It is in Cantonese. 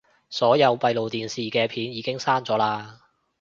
所有閉路電視嘅片已經刪咗喇